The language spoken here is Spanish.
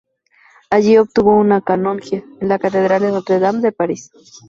Allí obtuvo una canonjía en la Catedral de Notre Dame de París.